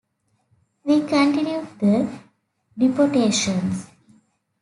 We continued the deportations.